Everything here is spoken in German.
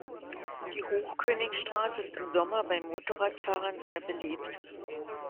Die Hochkönig Straße ist im Sommer bei Motorradfahrern sehr beliebt.